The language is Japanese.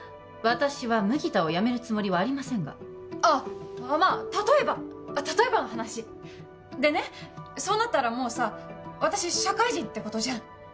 私は麦田を辞めるつもりはありませんがああまあ例えば例えばの話でねそうなったらもうさ私社会人ってことじゃん